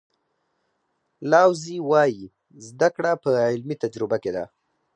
لاوزي وایي زده کړه په عملي تجربه کې ده.